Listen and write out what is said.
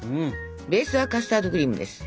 ベースはカスタードクリームです。